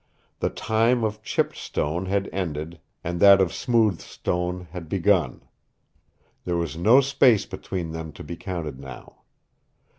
The time of chipped stone had ended and that of smoothed stone had begun. There was no space between them to be counted now.